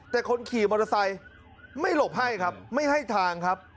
แต่คนขี่มอเตอร์ไซค์ไม่หลบให้ครับไม่ให้ทางครับ